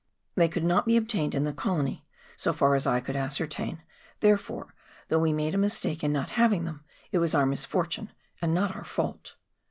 They could not be obtained in the colony so far as I could ascertain, therefore, though we made a mistake in not having them, it was our misfortune and not our fault.